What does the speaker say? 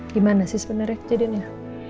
gimana sih sebenarnya kejadiannya